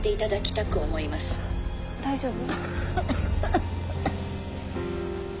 大丈夫？